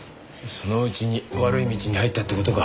そのうちに悪い道に入ったって事か。